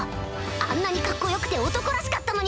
あんなにかっこよくて男らしかったのに。